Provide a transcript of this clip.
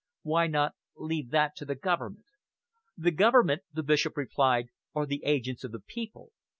"Why not leave that to the Government?" "The Government," the Bishop replied, "are the agents of the people.